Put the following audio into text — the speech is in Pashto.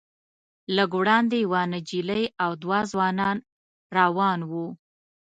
لږ وړاندې یوه نجلۍ او دوه ځوانان روان وو.